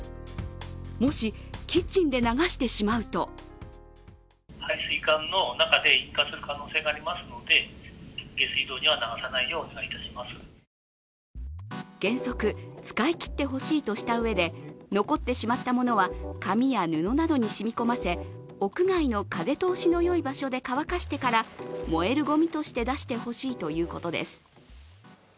もし、キッチンで流してしまうと原則、使いきってほしいとしたうえで残ってしまったものは紙や布などにしみこませ屋外の風通しの良い場所で乾かしてから燃えるごみとして出してほしいということです。